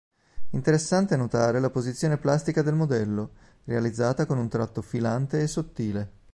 Interessante notare la posizione plastica del modello, realizzata con un tratto filante e sottile.